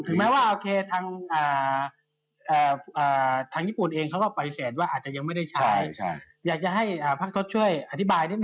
ถึงแม้ว่าโอเคทางญี่ปุ่นเองเขาก็ปฏิเสธว่าอาจจะยังไม่ได้ใช้